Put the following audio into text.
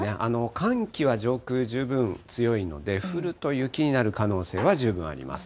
寒気は上空、十分強いので、降ると雪になる可能性は十分あります。